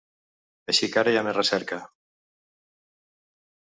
Així que ara hi ha més recerca.